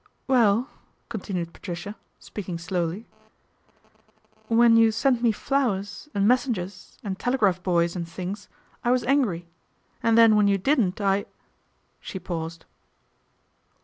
" Well !" continued Patricia, speaking slowly, 14 when you sent me flowers and messengers and telegraph boys and things I was angry, and then when you didn't I " she paused.